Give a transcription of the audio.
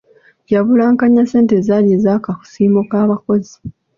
Yabulankanya ssente ezaali ez'akasiimo k'abakozi.